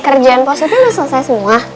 kerjaan positif udah selesai semua